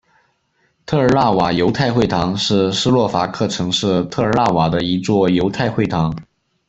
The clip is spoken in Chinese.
特尔纳瓦犹太会堂是斯洛伐克城市特尔纳瓦的一座犹太会堂。